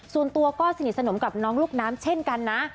ส่วนตัวก็สนิทสนมกับน้องลูกน้ำเช่นกันนะ